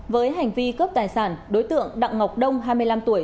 với hành vi cướp tài sản đối tượng đặng ngọc đông hai mươi năm tuổi